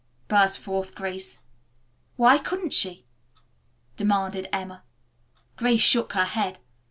burst forth Grace. "Why couldn't she?" demanded Emma. Grace shook her head.